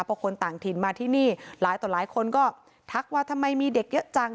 พอคนต่างถิ่นมาที่นี่หลายต่อหลายคนก็ทักว่าทำไมมีเด็กเยอะจัง